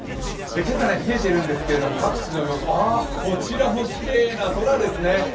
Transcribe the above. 今朝、冷えているんですけれども、こちらもきれいな空ですね。